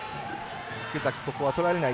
池崎、ここはとられない。